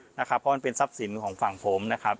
เพราะมันเป็นทรัพย์สินของฝั่งผมนะครับ